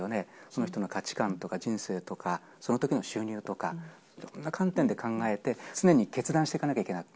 その人の価値観とか人生とか、そのときの収入とか、いろんな観点で考えて、常に決断していかなきゃいけない。